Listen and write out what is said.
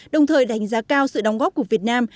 đồng thời đánh giá cao sự đóng góp của việt nam